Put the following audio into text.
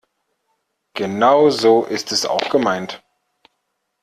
Genau so ist es auch gemeint.